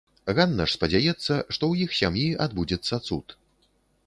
Ганна ж спадзяецца, што ў іх сям'і адбудзецца цуд.